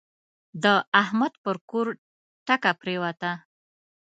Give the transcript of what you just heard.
د احمد پر کور ټکه پرېوته.